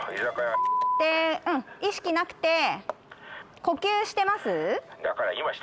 で意識なくて呼吸してます？